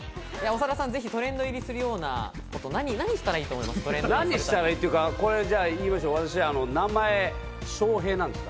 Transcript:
長田さん、トレンド入りするように何をしたらいいと思いますか？